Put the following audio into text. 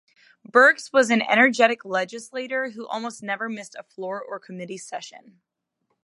Burks was an energetic legislator who almost never missed a floor or committee session.